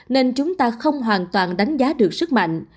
nên chúng ta không hoàn toàn đánh giá được sức mạnh